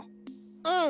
うん。